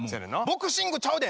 ボクシングちゃうで。